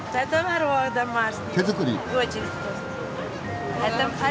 手作り。